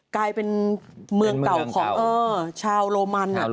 กลายเป็นเมืองเก่าของชาวโรมัน